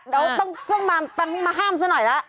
เราต้องมาห้ามซักหน่อยละ